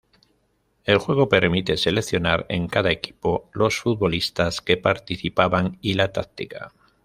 El juego permite seleccionar, en cada equipo, los futbolistas que participaban y la táctica.